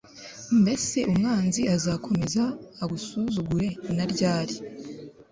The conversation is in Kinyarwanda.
mbese umwanzi azakomeza agusuzugure na ryari